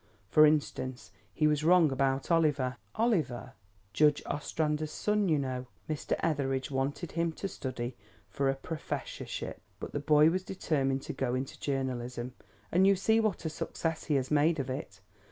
For instance, he was wrong about Oliver." "Oliver?" "Judge Ostrander's son, you know. Mr. Etheridge wanted him to study for a professorship; but the boy was determined to go into journalism, and you see what a success he has made of it.